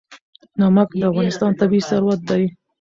نمک د افغانستان طبعي ثروت دی.